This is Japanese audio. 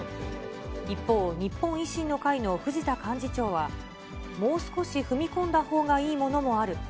一方、日本維新の会の藤田幹事長は、もう少し踏み込んだほうがいいものもある。